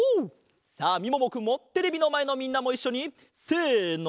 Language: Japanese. さあみももくんもテレビのまえのみんなもいっしょにせの。